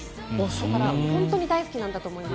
だから、本当に大好きなんだと思います。